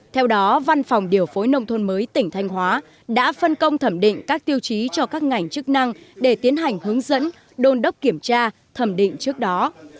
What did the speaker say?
theo đó văn phòng điều phối nông thôn mới tỉnh thanh hóa đã phân công thẩm định các tiêu chí cho các ngành chức năng để tiến hành hướng dẫn đôn đốc kiểm tra thẩm định trước đó